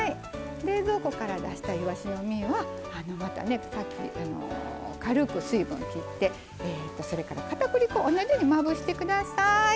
冷蔵庫から出したいわしの身はまたね軽く水分切ってそれからかたくり粉同じようにまぶしてください。